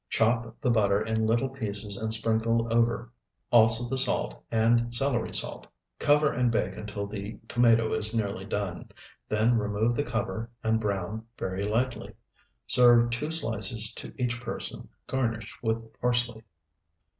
Chop the butter in little pieces and sprinkle over, also the salt and celery salt. Cover and bake until the tomato is nearly done. Then remove the cover and brown very lightly. Serve two slices to each person, garnished with parsley.